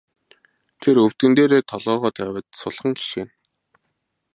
Тэр өвдгөн дээрээ толгойгоо тавиад сулхан гиншинэ.